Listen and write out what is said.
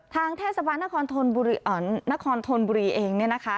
ทางแท่สะบานนครทนบุรีเองนะคะ